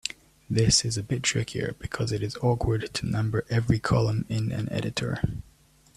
This is a bit trickier because it is awkward to number every column in an editor.